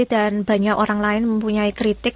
dan banyak orang lain mempunyai kritik